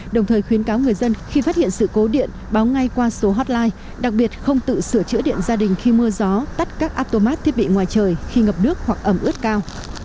đồng thời khuyến cáo người dân khi phát hiện sự cố điện báo ngay qua số hotline đặc biệt không tự sửa chữa điện gia đình khi mưa gió tắt các atomat thiết bị ngoài trời khi ngập nước hoặc ẩm ướt cao